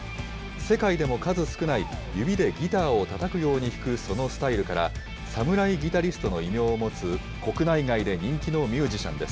世界でも数少ない指でギターをたたくように弾くそのスタイルから、サムライギタリストの異名を持つ、国内外で人気のミュージシャンで